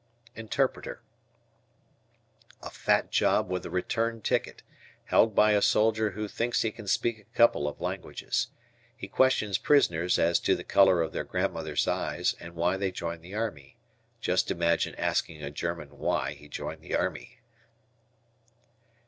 Interpreter. A fat job with a "return ticket," held by a soldier who thinks he can speak a couple of languages. He questions prisoners as to the color of their grandmothers' eyes and why they joined the army. Just imagine asking a German "why" he joined the army.